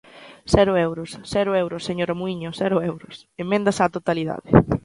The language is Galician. Cero euros; cero euros, señora Muíño, cero euros; emendas á totalidade.